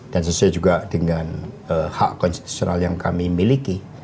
dan sesuai juga dengan hak konstitusional yang kami miliki